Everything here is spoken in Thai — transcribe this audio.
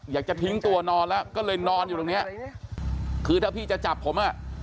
อยากจะทิ้งตัวนอนแล้วก็เลยนอนอยู่ตรงเนี้ยคือถ้าพี่จะจับผมอ่ะ